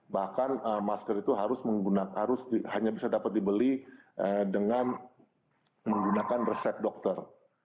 bahkan masker itu harus hanya bisa dapat dibeli dengan menggunakan resep dokter